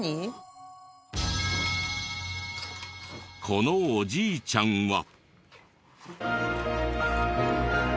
このおじいちゃんは。